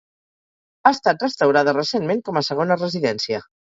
Ha estat restaurada recentment com a segona residència.